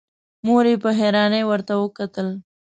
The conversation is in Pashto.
مور يې په حيرانی ورته وکتل.